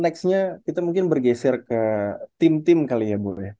nextnya kita mungkin bergeser ke tim tim kali ya bu ya